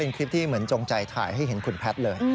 เป็นคลิปที่เหมือนจงใจถ่ายให้เห็นคุณแพทย์เลย